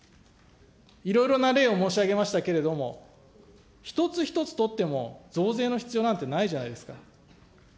いろいろな例を申し上げましたけれども、一つ一つとっても、増税の必要なんてないじゃないですか。